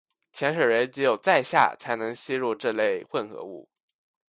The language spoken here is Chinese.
潜水员只有在下才能吸入这类混合物。